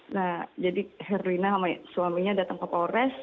nah jadi herlina sama suaminya datang ke polres